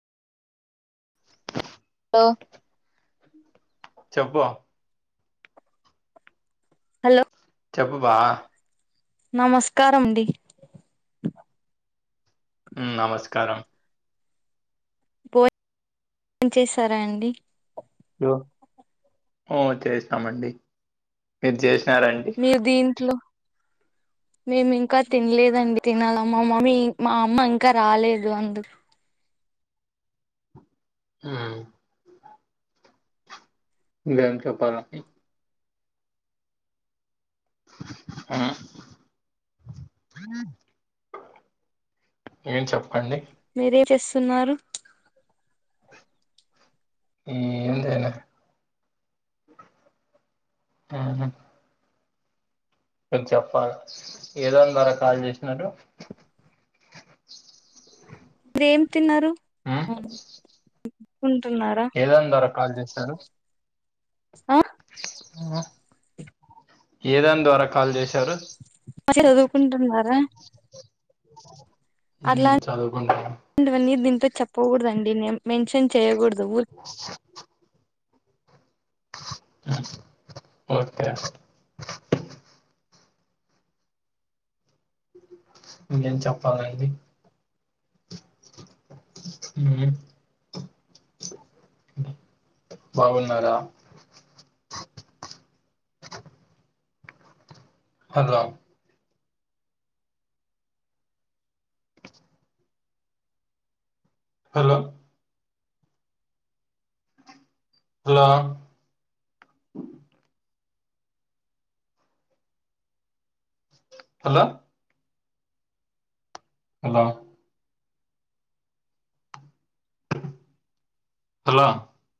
లో. చెప్పో. హలో. చెప్పుబా. నమస్కారం మండి. ఊమ్ నమస్కారం. టిఫిన్ చేసారా అండి. ఓ చేసీనమండి మీరు చేస్. మీరు దీంట్లో. మేము ఇంకా తిన్లేదండి. తినాల మా మమ్మీ, మా అమ్మ ఇంకా రాలేదు, అందు. ఊమ్. ఎం చెప్పాల. హుం. ఏం చెప్పండి. మీరే చేస్తున్నారు. ఎం లేదా. ఆ హ. చెప్పాల ఏదోన్నారా కాల్ చేసినారు.. [inaudible] మీరేం తిన్నారు. కుంటున్నారా ఏదనీ ద్వారా కాల్ జేశారు. ఆ ఏదాని ద్వారా కాల్ జెసి. చదువుకుంటున్నారా. హ్మ్ చదువుకుంటన్న. అంటే చెప్పకూడదండి నేమ్ మెన్షన్ చేయ్యకూడదు. ఓకే. ఇగేం చప్పాలండి. హ్మ్ బావున్నారా అ [inaudible] hello hello hello hello hello hello